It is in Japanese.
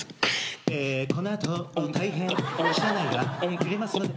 「このあと大変車内が揺れますので」